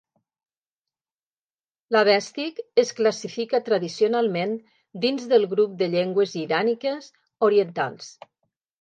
L'avèstic es classifica tradicionalment dins del grup de llengües iràniques orientals.